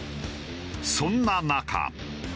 そんな中。